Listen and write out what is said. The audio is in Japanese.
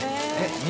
┐２